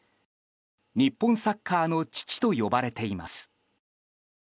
日本サッカーの父と呼ばれています。